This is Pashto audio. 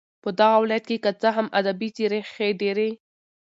په دغه ولايت كې كه څه هم ادبي څېرې ښې ډېرې